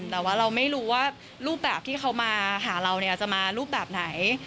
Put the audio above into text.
แต่ว่าเราไม่รู้ว่ารูปแบบที่เขามาหาเราเนี่ยจะมารูปแบบไหน